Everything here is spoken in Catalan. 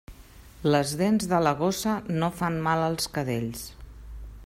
Les dents de la gossa no fan mal als cadells.